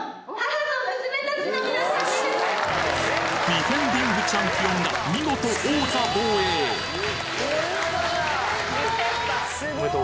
ディフェンディングチャンピオンが見事王座防衛２連覇だ。